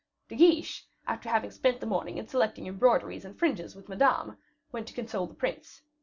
De Guiche, after having spent the morning in selecting embroideries and fringes with Madame, went to console the prince.